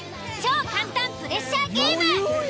超簡単プレッシャーゲーム！